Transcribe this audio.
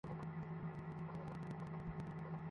মোটেও কঠিন কিছু না, তাই না?